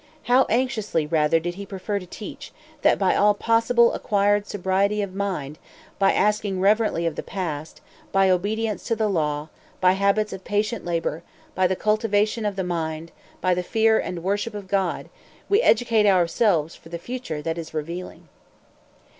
"How anxiously, rather, did he prefer to teach, that by all possible acquired sobriety of mind, by asking reverently of the past, by obedience to the law, by habits of patient labor, by the cultivation of the mind, by the fear and worship of God, we educate ourselves for the future that is revealing."